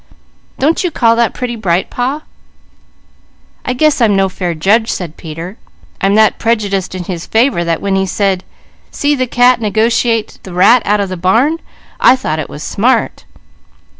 Don't you call that pretty bright, Pa?" "I guess I'm no fair judge," said Peter. "I'm that prejudiced in his favour that when he said, 'See the cat negotiate the rat' out in the barn, I thought it was smart."